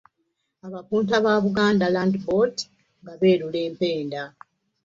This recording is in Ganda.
Abapunta ba Buganda Land Board nga beerula empenda.